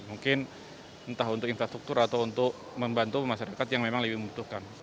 mungkin entah untuk infrastruktur atau untuk membantu masyarakat yang memang lebih membutuhkan